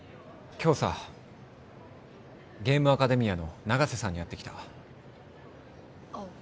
今日さゲームアカデミアの永瀬さんに会ってきたあ